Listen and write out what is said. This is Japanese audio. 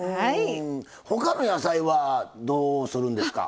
他の野菜はどうするんですか？